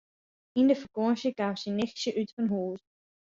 Yn de fakânsje kaam syn nichtsje útfanhûs.